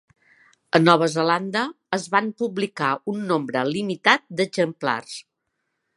A Nova Zelanda, es van publicar un nombre limitat d'exemplars.